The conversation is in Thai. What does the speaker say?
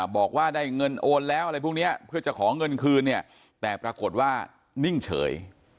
บอกว่าได้เงินโอนแล้วอะไรพวกนี้เพื่อจะขอเงินคืนเนี่ยแต่ปรากฏว่านิ่งเฉย